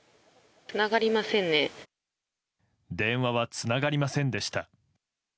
電話はつながりませんでした。